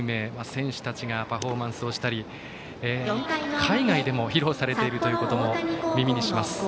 選手たちがパフォーマンスをしたり海外でも披露されているということも耳にします。